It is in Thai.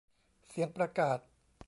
เสียงประกาศ